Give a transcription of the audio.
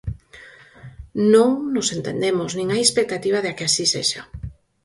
Non nos entendemos, nin hai expectativa de que así sexa.